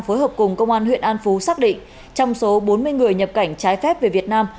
phối hợp cùng công an huyện an phú xác định trong số bốn mươi người nhập cảnh trái phép về việt nam